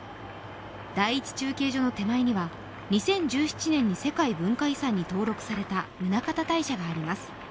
第１中継所の手前には２０１７年に世界文化遺産に登録された宗像大社があります。